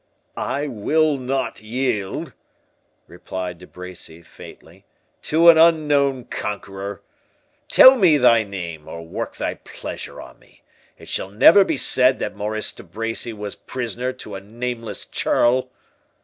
"I will not yield," replied De Bracy faintly, "to an unknown conqueror. Tell me thy name, or work thy pleasure on me—it shall never be said that Maurice de Bracy was prisoner to a nameless churl."